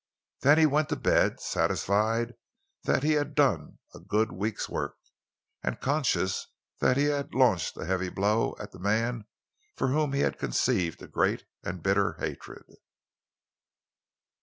Then he went to bed, satisfied that he had done a good week's work, and conscious that he had launched a heavy blow at the man for whom he had conceived a great and bitter hatred.